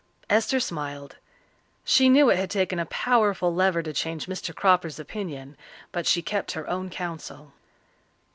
Esther smiled. She knew it had taken a powerful lever to change Mr. Cropper's opinion, but she kept her own counsel.